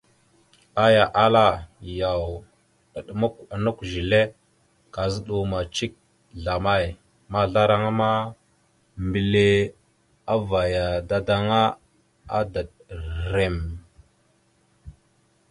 Aya ahala: « Yaw, naɗəmakw a nakw zile, kazəɗaw amay cik zlamay? » Mazlaraŋa ma, mbile avayara dadaŋŋa, adaɗəra rrem.